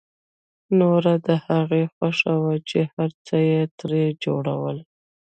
نوره د هغوی خوښه وه چې هر څه يې ترې جوړول.